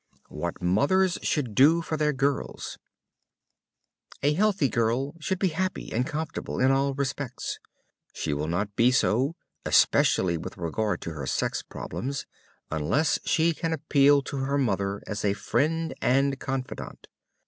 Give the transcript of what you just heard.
WHAT MOTHERS SHOULD DO FOR THEIR GIRLS A healthy girl should be happy and comfortable in all respects. She will not be so, especially with regard to her sex problems, unless she can appeal to her mother as a friend and confidant.